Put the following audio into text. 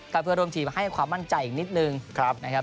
ก็เพื่อร่วมทีมให้ความมั่นใจอีกนิดนึงนะครับ